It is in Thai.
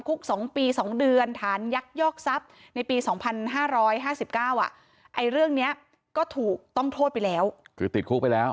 คือติดคลุกไปแล้ว